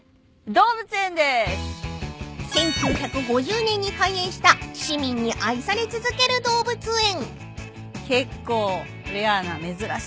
［１９５０年に開園した市民に愛され続ける動物園］へ。